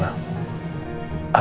ya kan gini loh ma